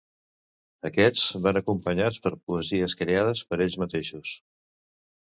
Aquests van acompanyats per poesies creades per ells mateixos.